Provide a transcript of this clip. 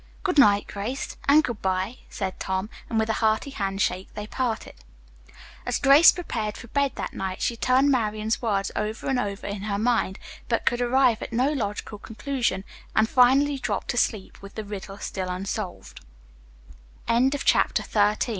"Good night, Grace, and good bye," said Tom, and with a hearty handshake they parted. As Grace prepared for bed that night she turned Marian's words over and over in her mind, but could arrive at no logical conclusion, and finally dropped to sleep with the ri